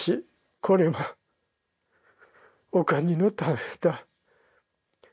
「これもお国のためだ」